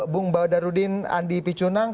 bung baudarudin andi picunang